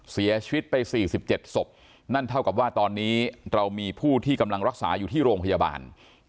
เสียชีวิตไป๔๗ศพนั่นเท่ากับว่าตอนนี้เรามีผู้ที่กำลังรักษาอยู่ที่โรงพยาบาล